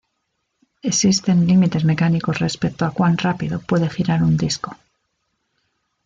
Existen límites mecánicos respecto a cuan rápido puede girar un disco.